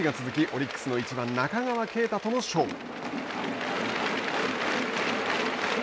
オリックスの１番中川圭太との勝負。